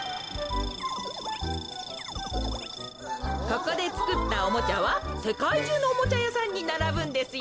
ここでつくったおもちゃはせかいじゅうのおもちゃやさんにならぶんですよ。